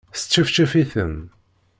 Sčefčef-iten.